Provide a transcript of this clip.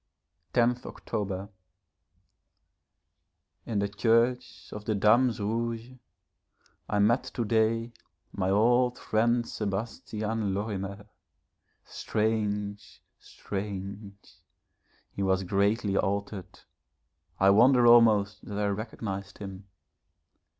10th October. In the Church of the Dames Rouges, I met to day my old friend Sebastian Lorimer. Strange! Strange! He was greatly altered, I wonder almost that I recognised him.